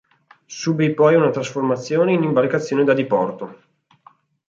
Subì poi una trasformazione in imbarcazione da diporto.